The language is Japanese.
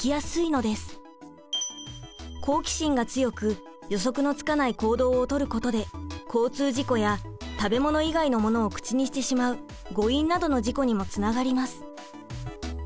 好奇心が強く予測のつかない行動を取ることで交通事故や食べ物以外のものを口にしてしまう誤飲などの事故にもつながります。